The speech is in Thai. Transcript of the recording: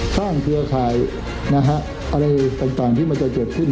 สร้างเครือข่ายนะฮะอะไรต่างต่างที่มันจะเจ็บขึ้น